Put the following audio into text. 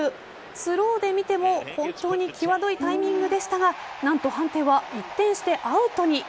スローで見ても本当に際どいタイミングでしたがなんと判定は一転してアウトに。